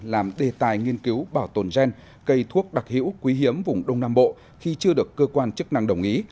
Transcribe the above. làm đề tài nghiên cứu bảo tồn gen cây thuốc đặc hữu quý hiếm vùng đông nam bộ khi chưa được cơ quan chức năng đồng ý